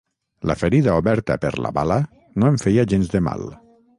La ferida oberta per la bala no em feia gens de mal